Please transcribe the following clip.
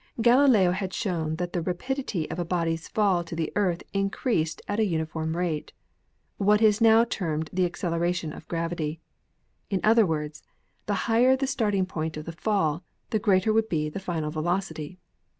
Galileo had shown that the rapidity of a body's fall to the Earth increased at a uniform rate — what is now termed the acceleration of gravity. In other words, the higher the starting point of the fall, the greater will be the final velocity.